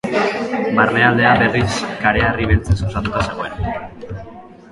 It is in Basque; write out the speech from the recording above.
Barnealdea berriz kareharri beltzez osatuta zegoen.